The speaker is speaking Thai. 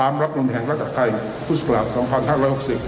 ตามรักมีแห่งรัฐไทยภิสุฆัล